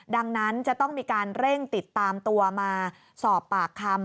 ดังนั้นจะต้องมีการเร่งติดตามตัวมาสอบปากคำ